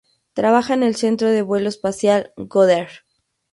Trabaja en el centro de vuelo espacial Goddard.